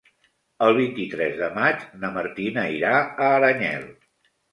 El vint-i-tres de maig na Martina irà a Aranyel.